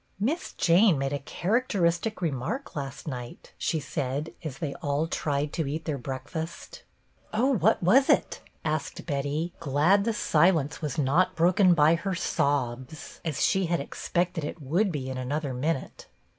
" Miss Jane made a characteristic remark last night," she said, as they all tried to eat their breakfast. " Oh, what was it ?" asked Betty, glad the BETTY BAIRD 38 silence was not broken by her sobs, as she had expected it would be in another minute.